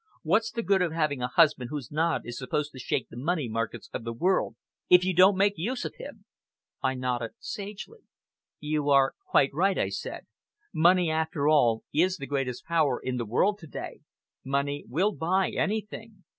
What's the good of having a husband whose nod is supposed to shake the money markets of the world, if you don't make use of him?" I nodded sagely. "You are quite right," I said. "Money, after all, is the greatest power in the world to day. Money will buy anything!"